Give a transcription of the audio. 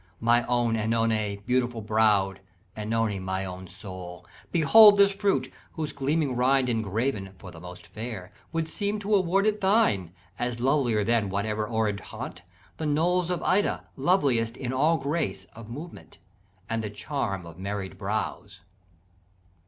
'My own OEnone, Beautiful brow'd OEnone, my own soul, Behold this fruit, whose gleaming rind ingrav'n, 'For the most fair,' would seem to award it thine, As lovelier than whatever Oread haunt The knolls of Ida, loveliest in all grace Of movement, and the charm of married brows.'